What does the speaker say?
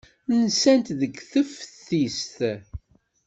Nsant deg teftist.